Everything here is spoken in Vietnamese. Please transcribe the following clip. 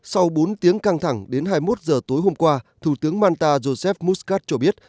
sau bốn tiếng căng thẳng đến hai mươi một giờ tối hôm qua thủ tướng manta josep muscat cho biết